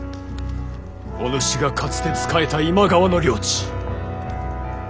お主がかつて仕えた今川の領地。